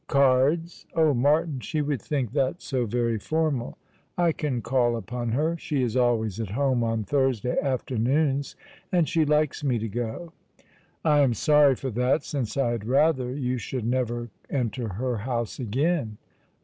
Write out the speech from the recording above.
" Cards ! Oh, Martin, she would think that so very formal. I Ccan call upon her. She is always at home on Thursday afternoons, and she likes me to go." " I am sorry for that, since I had rather you should never enter her house again."